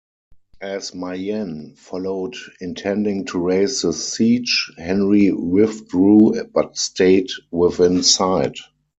As Mayenne followed intending to raise the siege, Henry withdrew but stayed within sight.